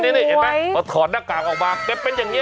นี่เห็นไหมพอถอดหน้ากากออกมาแกเป็นอย่างนี้